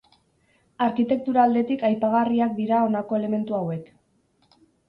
Arkitektura aldetik aipagarriak dira honako elementu hauek.